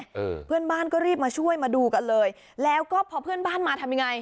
เออเพื่อนบ้านก็รีบมาช่วยมาดูกันเลยแล้วก็พอเพื่อนบ้านมาทำยังไง